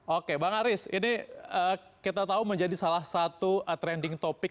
oke bang aris ini kita tahu menjadi salah satu trending topic